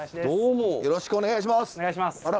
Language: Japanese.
よろしくお願いします。